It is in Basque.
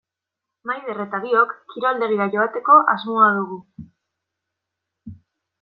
Maider eta biok kiroldegira joateko asmoa dugu.